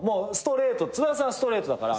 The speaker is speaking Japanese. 津田さんはストレートだから。